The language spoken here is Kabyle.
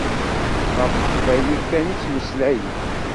Ɣef teqbaylit kan i ttmeslayen.